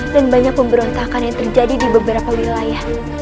dan banyak pemberontakan yang terjadi di beberapa wilayah